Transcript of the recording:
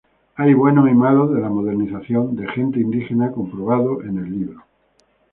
Hay buenos y malos de la modernización de gente indígena comprobado en el libro.